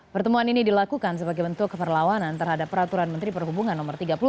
pertemuan ini dilakukan sebagai bentuk keperlawanan terhadap peraturan menteri perhubungan no tiga puluh dua